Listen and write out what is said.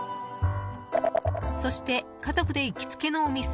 そして、家族でいきつけのお店。